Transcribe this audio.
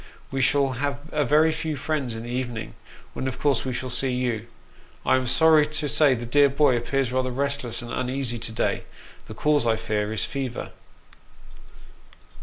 We shall have a very few friends in the evening, when of course we shall see you. I am sorry to say that the dear boy appears rather restless and uneasy to day : the cause, I fear, is fever.